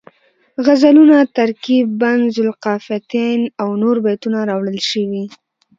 غزلونه، ترکیب بند ذوالقافیتین او نور بیتونه راوړل شوي